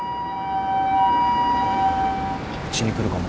・うちに来るかも。